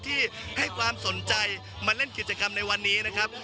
ที่ให้ความสนใจมาเล่นกิจกรรมในวันนี้นะครับ